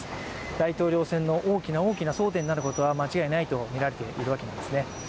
大統領選の大きな大きな争点になることは間違いないとみられているわけなんですね。